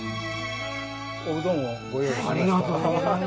ありがとうございます。